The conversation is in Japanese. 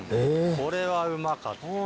これはうまかった。